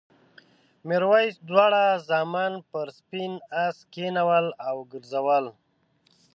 میرويس دواړه زامن پر سپین آس کېنول او وګرځول.